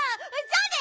じゃあね！